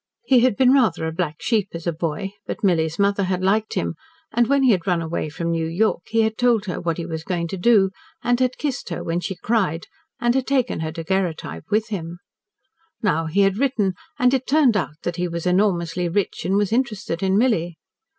He had been rather a black sheep as a boy, but Milly's mother had liked him, and, when he had run away from New York, he had told her what he was going to do, and had kissed her when she cried, and had taken her daguerreotype with him. Now he had written, and it turned out that he was enormously rich, and was interested in Milly.